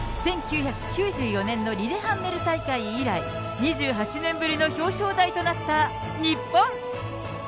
１９９４年のリレハンメル大会以来、２８年ぶりの表彰台となった日本。